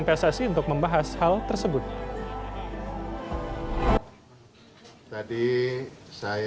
pssi untuk membahas hal tersebut tadi saya